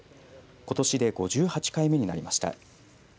ことしで５８回目になりました。